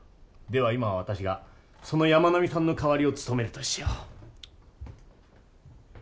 では今は私がその山南さんの代わりを務めるとしよう。